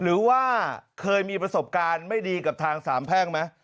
หรือว่าเคยมีประสบการณ์ไม่ดีกับทางสามแพ่งไหม